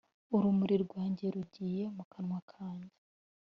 Ururimi rwanjye ruvugiye mu kanwa kanjye